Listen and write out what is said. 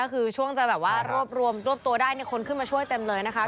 คือช่วงจะแบบว่ารวบรวมรวบตัวได้คนขึ้นมาช่วยเต็มเลยนะคะ